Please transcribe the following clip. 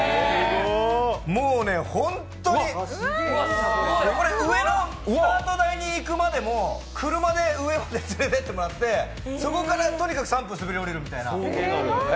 もうね、ホントに、これ上のスタート台に行くまでも車で上まで連れていってもらって、そこからとにかく３分滑り降りるみたいな。